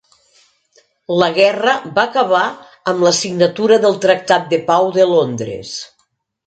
La guerra va acabar amb la signatura del tractat de pau de Londres.